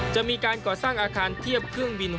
จะมีการก่อสร้างอาคารเทียบเครื่องบิน